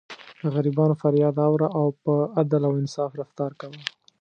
د غریبانو فریاد اوره او په عدل او انصاف رفتار کوه.